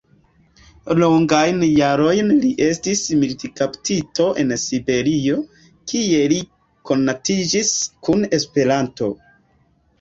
Longajn jarojn li estis militkaptito en Siberio, kie li konatiĝis kun Esperanto.